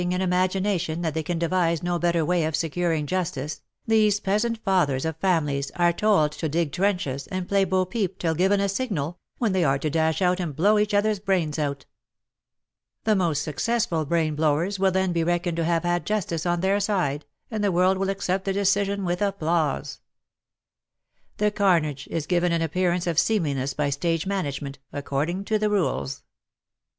WAR AND WOMEN 203 imagination that they can devise no better way of securing justice, these peasant fathers of families are told to dig trenches and play bo peep till a given signal, when they are to dash out and blow each other's brains out. The most successful brain blowers will then be reckoned to have had justice on their side, and the world will accept the decision with applause. The carnage is given an appearance of seem liness by stage management — according to rules.